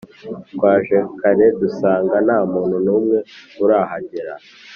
Twaje kare dusanga ntamuntu numwe urahagera